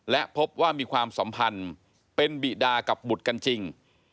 และพบว่ามีความสัมพันธ์เป็นบิดากับบุตรกันจริง